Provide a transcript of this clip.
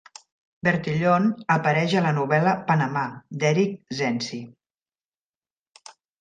Bertillon apareix a la novel·la "Panamà" d'Eric Zencey.